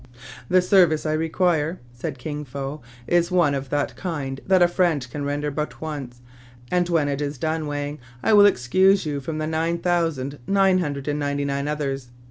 " The service I require," said KinrFo, " is one of * that kind that a friend can render but once; and when it is done, Wang, I will excuse you from the nine thousand nine hundred and ninety nine others.